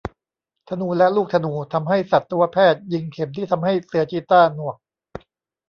ธนูและลูกธนูทำให้สัตวแพทย์ยิงเข็มที่ทำให้เสือชีต้าหนวก